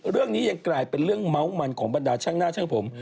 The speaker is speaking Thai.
เรื่องนี้ยังกลายเป็นเรื่องเมาส์มันของบรรดาช่างหน้าช่างผม